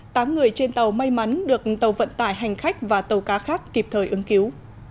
tám người trên tàu may mắn được tàu vận tải hành khách và tàu cá khác kịp thời ứng cứu